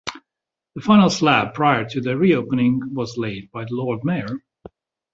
The final slab prior to the reopening was laid by the Lord Mayor.